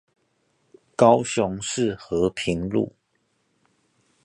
高雄市和平路